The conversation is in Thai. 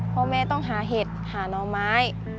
พ่อแม่ต้องหาเห็ดหานอไม้